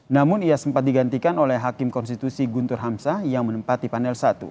namun ia sempat digantikan oleh hakim konstitusi guntur hamzah yang menempati panel satu